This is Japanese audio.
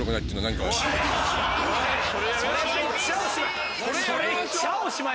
それを言っちゃおしまい！